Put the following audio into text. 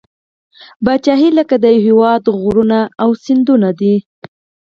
پاچهي لکه د یوه هیواد غرونه او سیندونه ده.